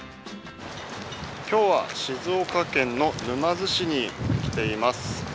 今日は静岡県の沼津市に来ています。